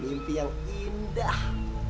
mimpi yang indah